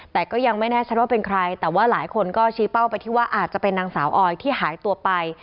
แต่ก็ยังไม่แน่ชัดว่าเป็นใครแต่ว่าหลายคนก็ชี้เป้าไปที่ว่าอาจจะเป็นนางสาวออยที่หายตัวไป